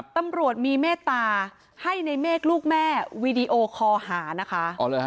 ตำรวจมีเมตตาให้ในเมฆลูกแม่วีดีโอคอหานะคะ